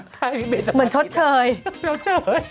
ใช่พี่เบ๊จำเป็นเหมือนชดเชยชดเชย